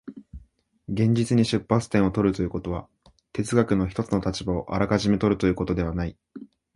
現実に出発点を取るということは、哲学の一つの立場をあらかじめ取るということではない。